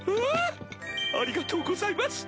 ありがとうございます！